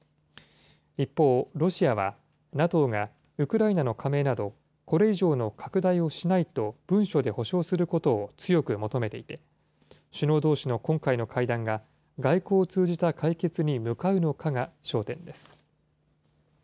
一方、ロシアは、ＮＡＴＯがウクライナの加盟などこれ以上の拡大をしないと文書で保証することを強く求めていて、首脳どうしの今回の会談が、外交を通じた解決に向かうのかが焦点です。